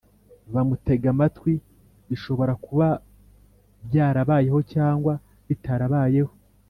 bamutega amatwi, bishobora kuba byarabayeho cyangwa bitarabayeho,